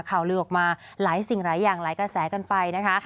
ข่าวลือออกมาหลายสิ่งหลายอย่างหลายกระแสกันไปนะคะ